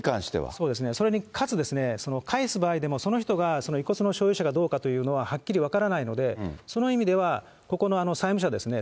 それにかつ、返す場合でも、その人が遺骨の所有者がどうかというのははっきり分からないので、その意味では、ここの債務者ですね。